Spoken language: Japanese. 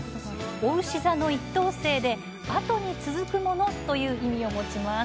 おうし座の１等星で「後に続くもの」という意味を持つんですよ。